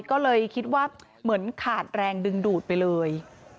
ก็เลยคิดว่าเหมือนขาดแรงดึงดูดไปเลย